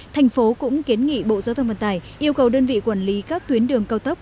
thành phố cũng kiến nghị bộ giao thông vận tải yêu cầu đơn vị quản lý các tuyến đường cao tốc